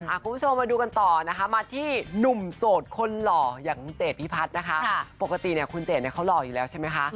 คุณผู้ชมมาดูกันต่อมาที่หนุ่มโสดหล่อย่างเตภิพัฒน์คุณเจนเขาหล่ออีกแล้วใช่ไหมค่ะ